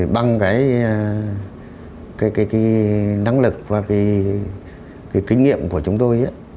bằng cái năng lực và cái kinh nghiệm của chúng tôi